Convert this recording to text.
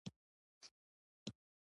د نسلونو نه اصلاح کول وروسته پاتې کیدل دي.